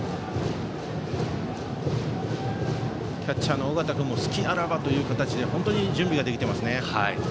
キャッチャーの尾形君も隙あらばという形で本当に準備ができてますね。